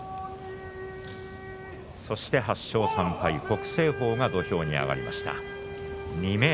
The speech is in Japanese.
そして８勝３敗、北青鵬が土俵に上がりました。